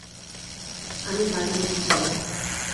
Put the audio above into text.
আমি বাড়ি যেতে চাই।